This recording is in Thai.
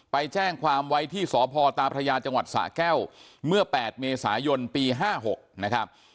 ไปแจ้งความไว้ที่สพตาพระยาจังหวัดสะแก้วเมื่อ๘เมษายนปี๕๖นะครับ